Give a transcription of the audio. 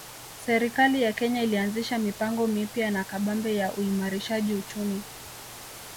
Serikali ya Kenya ilianzisha mipango mipya na kabambe ya uimarishaji uchumi